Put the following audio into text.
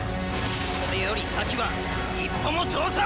これより先は一歩も通さん！